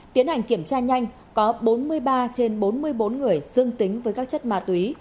tiến hành kiểm tra nhanh có bốn mươi ba trên bốn mươi bốn người dương tính với các chất ma túy